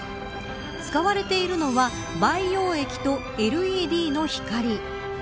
使われているのは培養液とＬＥＤの光。